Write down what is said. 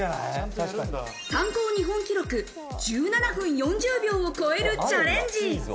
参考日本記録１７分４０秒を超えるチャレンジ。